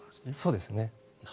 そうですね。